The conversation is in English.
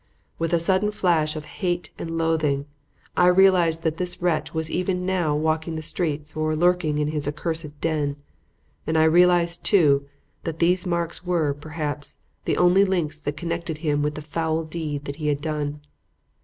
With a sudden flush of hate and loathing, I realized that this wretch was even now walking the streets or lurking in his accursed den; and I realized, too, that these marks were, perhaps, the only links that connected him with the foul deed that he had done.